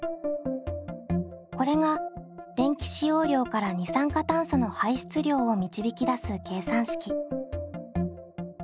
これが電気使用量から二酸化炭素の排出量を導き出す計算式。